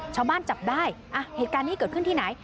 ชาวบ้านจับได้อ่ะเหตุการณ์นี้เกิดขึ้นที่ไหน